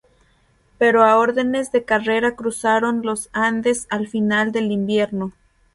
Pero a órdenes de Carrera cruzaron los Andes al final del invierno.